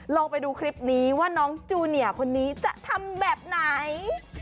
ลองไปดูคลิปนี้ว่าน้องจูเนียร์คนนี้จะทำแบบไหน